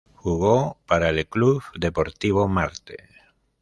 Jugó para el Club Deportivo Marte.